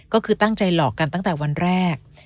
ก็คือตั้งใจหลอกกันตั้งแต่วันแรก